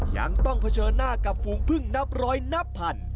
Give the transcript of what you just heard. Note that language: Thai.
ยังต้องเผชิญหน้ากับฝูงพึ่งนับร้อยนับพัน